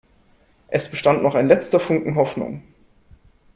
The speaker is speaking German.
Es bestand noch ein letzter Funken Hoffnung.